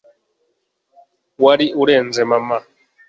wari urenze mama